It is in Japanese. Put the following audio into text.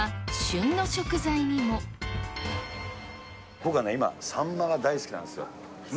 僕はね、今、サンマが大好きなんですよ。ね？